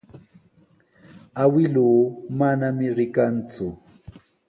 Awkilluu manami rikanku.